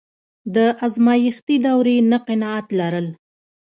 د ازمایښتي دورې نه قناعت لرل.